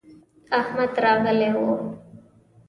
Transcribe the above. احمد راغلی و.